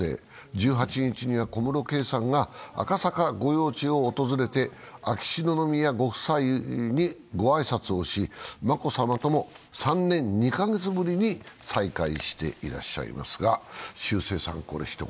１８日には小室圭さんが赤坂御用地を訪れて秋篠宮ご夫妻にご挨拶をし、眞子さまとも３年２カ月ぶりに再会していらっしゃいますが？